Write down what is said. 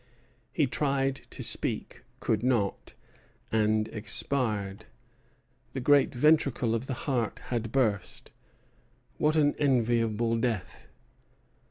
He tried to speak, could not, and expired. The great ventricle of the heart had burst. What an enviable death!"